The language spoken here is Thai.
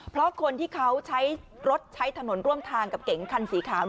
เพราะคนที่เขาใช้รถใช้ถนนร่วมทางกับเก๋งคันสีขาว